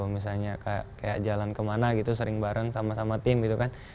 misalnya kayak jalan kemana gitu sering bareng sama sama tim gitu kan